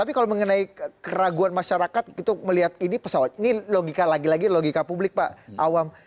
tapi kalau mengenai keraguan masyarakat itu melihat ini pesawat ini logika lagi lagi logika publik pak awam